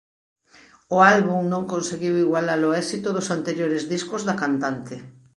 O álbum non conseguiu igualar o éxito dos anteriores discos da cantante.